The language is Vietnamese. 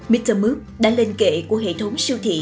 mr moop đã lên kệ của hệ thống siêu thị